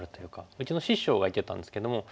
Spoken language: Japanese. うちの師匠が言ってたんですけども。